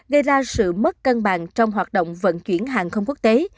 gây ra sự mất cân bằng trong hoạt động vận chuyển hàng không quốc tế